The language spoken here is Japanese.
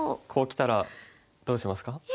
こうきたらどうしますか？